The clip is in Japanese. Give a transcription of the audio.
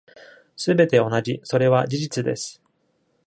全て同じ、それは事実です。